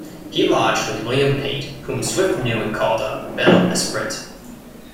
He lodged with William Pate, whom Swift knew and called a "bel esprit".